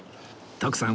徳さん